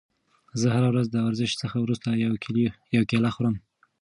زه هره ورځ د ورزش څخه وروسته یوه کیله خورم.